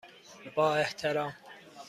با احترام،